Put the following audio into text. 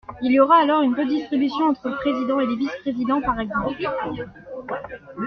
Il y aura alors une redistribution entre le président et les vice-présidents, par exemple.